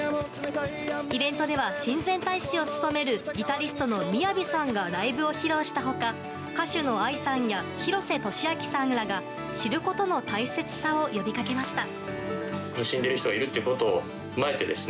イベントでは親善大使を務めるギタリストのＭＩＹＡＶＩさんがライブを披露した他歌手のＡＩさんや廣瀬俊朗さんらが知ることの大切さを呼びかけました。